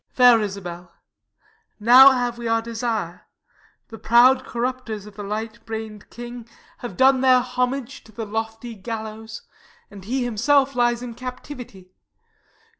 _ Fair Isabel, now have we our desire; The proud corrupters of the light brain'd king Have done their homage to the lofty gallows, And he himself lies in captivity.